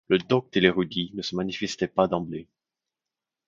Le docte et l'érudit ne se manifestaient pas d'emblée.